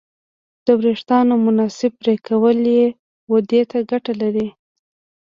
د وېښتیانو مناسب پرېکول یې ودې ته ګټه لري.